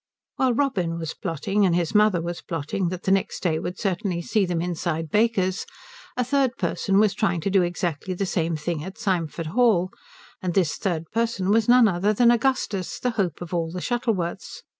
While Robin was plotting, and his mother was plotting, that the next day would certainly see them inside Baker's, a third person was trying to do exactly the same thing at Symford Hall; and this third person was no other than Augustus, the hope of all the Shuttleworths.